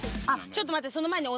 ちょっと待って。